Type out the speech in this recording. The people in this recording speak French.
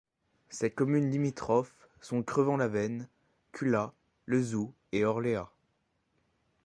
Ses communes limitrophes sont Crevant-Laveine, Culhat, Lezoux et Orléat.